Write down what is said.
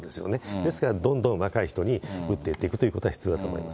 ですから、どんどん若い人に打っていくということが必要だと思います。